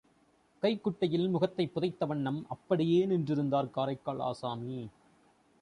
கைக்குட்டையில் முகத்தைப் புதைத்த வண்ணம் அப்படியே நின்றிருந்தார் காரைக்கால் ஆசாமி.